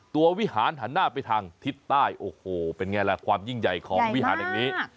วิหารหันหน้าไปทางทิศใต้โอ้โหเป็นไงล่ะความยิ่งใหญ่ของวิหารแห่งนี้